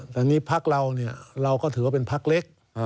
แต่นี่พักเราเราก็ถือว่าเป็นพักเล็ก